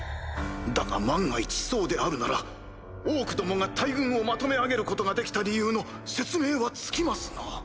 だが万が一そうであるならオークどもが大軍をまとめ上げることができた理由の説明はつきますな。